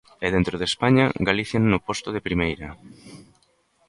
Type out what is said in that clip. E dentro de España, Galicia no posto de primeira.